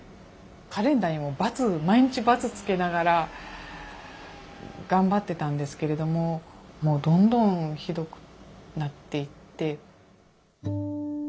カレンダーにもバツ毎日バツつけながら頑張ってたんですけれどももうどんどんひどくなっていって。